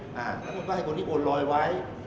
มันก็ให้คนที่โอนรอยไว้